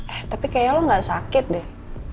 eh tapi kayaknya lo gak sakit deh